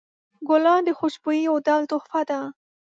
ګلان د خوشبویۍ یو ډول تحفه ده.